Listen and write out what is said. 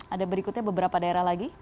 ada berikutnya beberapa daerah lagi